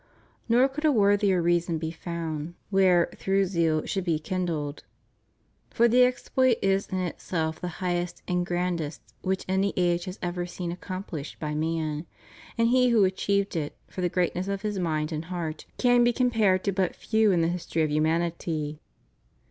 Nor could a worthier reason be found wherethrough zeal should be kindled. For the exploit is in itself the highest and grandest which any age has ever seen accomplished by man; and he who achieved it, for the greatness of his mind and heart, can be compared to but few in the his tory of humanity.